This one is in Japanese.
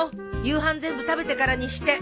夕飯全部食べてからにして。